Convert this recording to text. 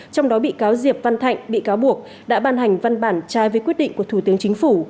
trong đó bị cáo diệp văn thạnh bị cáo buộc đã ban hành văn bản trái với quyết định của thủ tướng chính phủ